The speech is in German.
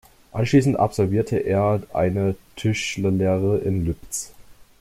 Anschließend absolvierte er eine Tischlerlehre in Lübz.